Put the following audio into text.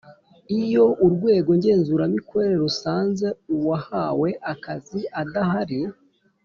Iyo Urwego ngenzuramikorere rusanze uwahawe akazi adahari